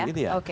untuk itu ya